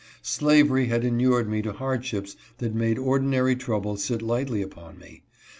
Slavery had inured me to hardships that made ordinary trouble sit lightly upon me.